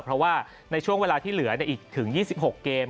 เพราะว่าในช่วงเวลาที่เหลืออีกถึง๒๖เกม